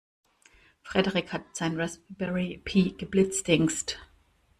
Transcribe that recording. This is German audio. Frederik hat seinen Raspberry Pi geblitzdingst.